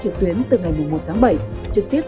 trực tuyến từ ngày một mươi một tháng bảy trực tiếp